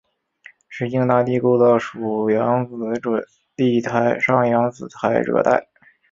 市境大地构造属扬子准地台上扬子台褶带。